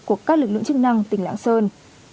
của các lực lượng chức năng tỉnh lãng sơn